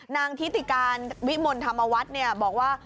นางทิศิการวิมลธรรมวัฒน์เนี่ยบอกว่า